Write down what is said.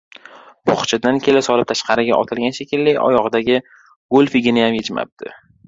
Bog'chadan kela solib tashqariga otilgan she- killi, oyog‘idagi golfiginiyam yechmabdi.